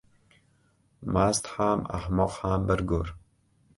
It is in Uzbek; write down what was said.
• Mast ham, ahmoq ham — bir go‘r.